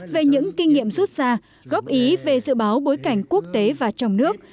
về những kinh nghiệm rút ra góp ý về dự báo bối cảnh quốc tế và trong nước